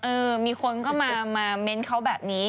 เออมีคนก็มาเม้นเขาแบบนี้